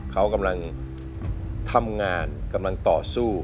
เขากำลังทำงานกำลังต่อสู้